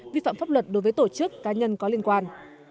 vi phạm pháp luật đối với tổ chức cá nhân có liên quan